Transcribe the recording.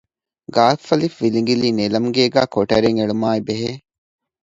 ގއ.ވިލިނގިލީ ނެލަމްގޭގައި ކޮޓަރިއެއް އެޅުމާއި ބެހޭ